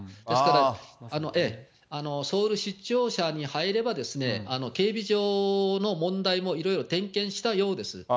ですから、ソウル市庁舎に入ればですね、警備上の問題もいろいろ点検したようです。